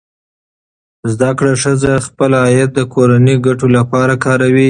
زده کړه ښځه خپل عاید د کورنۍ ګټو لپاره کاروي.